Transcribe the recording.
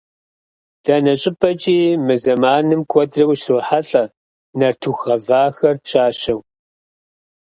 Дэнэ щӏыпӏэкӏи мы зэманым куэдрэ ущрохьэлӏэ нартыху гъэвахэр щащэу.